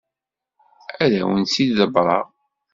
Ad awen-tt-id-ḍebbreɣ.